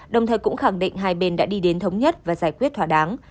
đồng thời cũng khẳng định hai bên đã đi đến thống nhất và giải quyết thỏa đáng